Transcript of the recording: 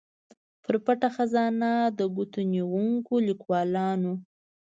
پر پټه خزانه د ګوتنیونکو ليکوالانو